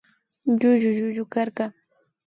Llullu llukarka